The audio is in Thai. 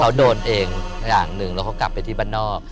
โดนเองอย่างหนึ่งแล้วเขากลับไปที่บ้านนอก